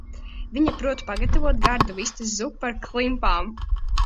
Viņa prot pagatavot gardu vistas zupu ar klimpām.